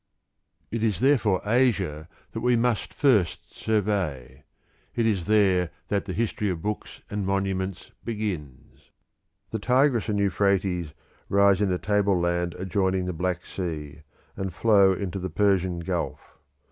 It is therefore Asia that we must first survey; it is there that the history of books and monuments begins. The Tigris and Euphrates rise in a tableland adjoining the Black Sea, and flow into the Persian Gulf.